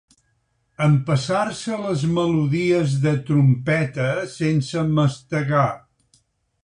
Empassar-se les melodies de trompeta sense mastegar.